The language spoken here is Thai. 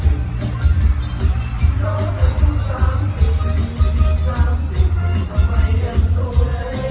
ร้องเติ้ลตามสิบที่สามสิบทำไมยังโทรเย่